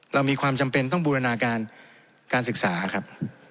เรามีความจำเป็นต้องบูรณาการการศึกษาครับ